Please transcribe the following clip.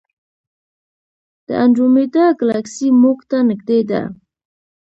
د انډرومیډا ګلکسي موږ ته نږدې ده.